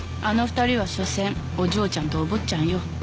あの２人はしょせんお嬢ちゃんとお坊ちゃんよ。